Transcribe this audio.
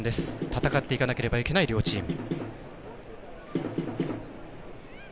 戦っていかなければいけない両チーム。